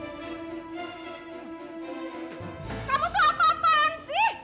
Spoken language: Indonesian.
kamu tuh apa apaan sih